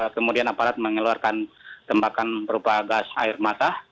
kemudian aparat mengeluarkan tembakan berupa gas air mata